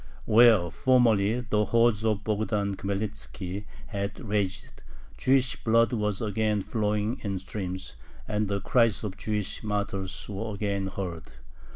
Where formerly the hordes of Bogdan Khmelnitzki had raged, Jewish blood was again flowing in streams, and the cries of Jewish martyrs were again heard.